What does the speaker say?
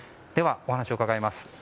お話を伺います。